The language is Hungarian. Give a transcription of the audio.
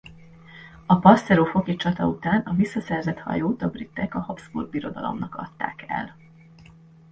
A Passero-foki csata után a visszaszerzett hajót a britek a Habsburg Birodalomnak adták el.